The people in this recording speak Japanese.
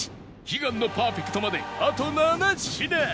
悲願のパーフェクトまであと７品